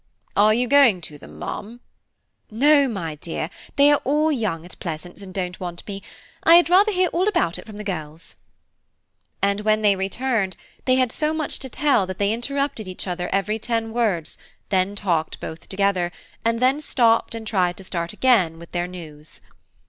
"Are you going to them, ma'am?" "No, my dear, they are all young at Pleasance, and don't want me. I had rather hear all about it from the girls." And when they returned, they had so much to tell that they interrupted each other every ten words, then talked both together, and then stopped and tried to start fair again with their news.